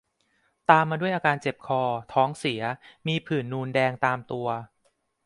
ตามมาด้วยอาการเจ็บคอ ท้องเสีย มีผื่นนูนแดงตามตัว